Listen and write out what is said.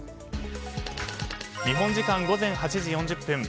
日本時間午前８時４０分